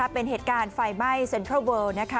เป็นเหตุการณ์ไฟไหม้เซ็นทรัลเวิล